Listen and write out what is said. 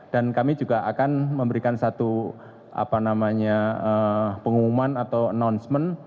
dan kami juga akan memberikan satu pengumuman atau announcement